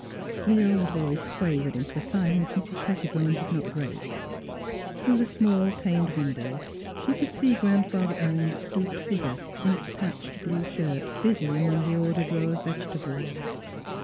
.." The old voice quavered into a silence Mrs. Pet tibone did not break. Through the small paned 138 THE HEAET OF PHILUEA window she could see Grandfather Orne's stooped figure in its patched blue shirt, busy among the ordered rows of vegetables.